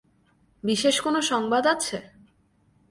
বিশেষ কোনো সংবাদ আছে?